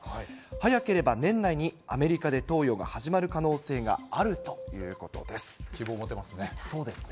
早ければ年内にアメリカで投与が始まる可能性があるということで希望が持てますね。